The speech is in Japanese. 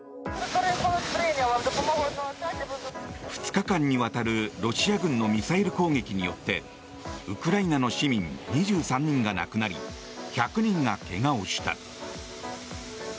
２日間にわたるロシア軍のミサイル攻撃によってウクライナの市民２３人が亡くなり１００人が、けがをした。